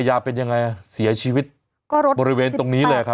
อย่างไรเสียชีวิตบริเวณตรงนี้เลยครับ